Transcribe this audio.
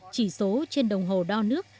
chỉ số trên đồng hồ đo nước